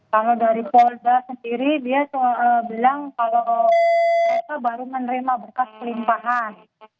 kalau dari polda sendiri dia bilang kalau mereka baru menerima berkas pelimpahan